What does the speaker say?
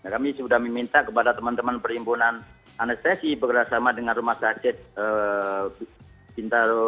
kami sudah meminta kepada teman teman perimpunan anestesi bergerak sama dengan rumah sakit pintar